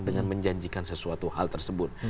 dengan menjanjikan sesuatu hal tersebut